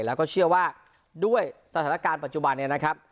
แล้วก็เชื่อว่าด้วยสถานการณ์ปัจจุบันนี้นะครับ